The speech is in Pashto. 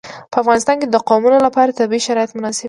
په افغانستان کې د قومونه لپاره طبیعي شرایط مناسب دي.